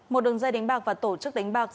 một đường dây đánh bạc và tổ chức đánh bạc